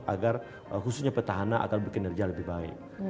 agar khususnya petana akan membuat kinerja lebih baik